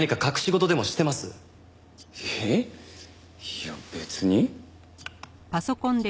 いや別に。